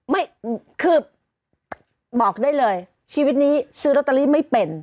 ไม่คือบอกได้เลยชีวิตนี้ซื้อลอตเตอรี่ไม่เป็น